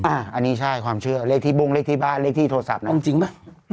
อันนี้ใช่ความเชื่อเลขที่บ้งเลขที่บ้านเลขที่โทรศัพท์นะจริงป่ะ